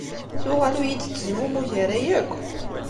Tuɣal ur yi-d-tettezmumug ara akk.